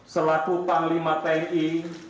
selaku panglima tni